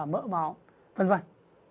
mỡ máu vân vân